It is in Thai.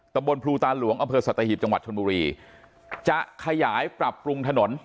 บนภูตาหลวงอำเภอสัตหิบจังหวัดชนบุรีจะขยายปรับปรุงถนน